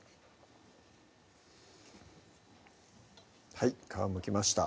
はい皮むきました